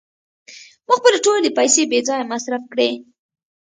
ما خپلې ټولې پیسې بې ځایه مصرف کړې.